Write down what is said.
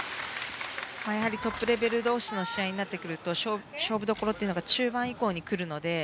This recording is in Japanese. やはりトップレベル同士の対戦になってくると勝負どころは中盤以降に来るので。